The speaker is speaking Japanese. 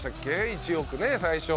１億ね最初。